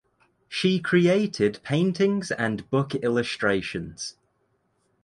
She created paintings and book illustrations.